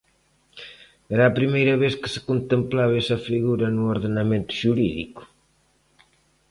Era a primeira vez que se contemplaba esa figura no ordenamento xurídico.